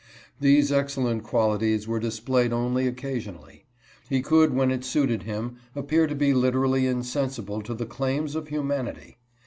These excellent qualities were displayed only occasionally. He could, when it suited him, appear to be literally insensible to the claims of humanity.